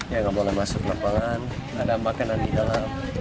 ya nggak boleh masuk lapangan nggak ada makanan di dalam